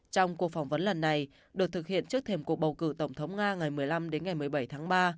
trong cuộc phỏng vấn lần này được thực hiện trước thềm cuộc bầu cử tổng thống nga ngày một mươi năm đến ngày một mươi bảy tháng ba